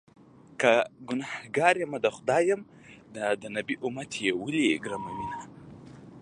که ګنهکار يمه د خدای یم- دا د نبي امت مې ولې ګرموینه